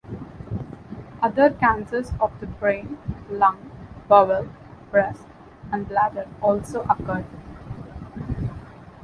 Other cancers of the brain, lung, bowel, breast, and bladder also occurred.